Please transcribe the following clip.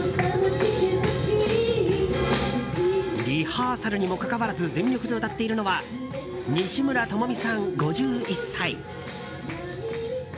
リハーサルにもかかわらず全力で歌っているのは西村知美さん、５１歳。